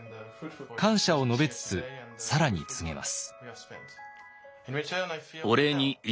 感謝を述べつつ更に告げます。